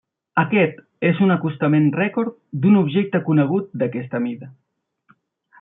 Aquest és un acostament rècord d'un objecte conegut d'aquesta mida.